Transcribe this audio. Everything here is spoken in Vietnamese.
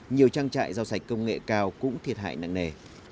nhiều trang trại rau sạch công nghệ cao cũng thiệt hại nặng nề